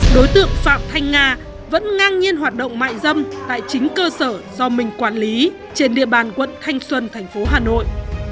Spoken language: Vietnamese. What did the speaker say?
đối tượng phạm thanh nga vẫn ngang nhiên hoạt động mại dâm tại chính cơ sở do mình quản lý trên địa bàn quận thanh xuân thành phố hà nội